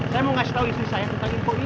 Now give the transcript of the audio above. saya mau ngasih tahu istri saya tentang info ini